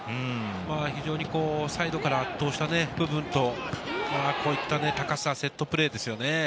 非常にサイドから圧倒した部分と、こういった高さ、セットプレーですよね。